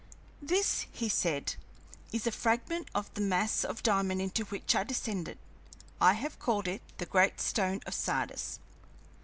"This," he said, "is a fragment of the mass of diamond into which I descended. I have called it 'The Great Stone of Sardis.'"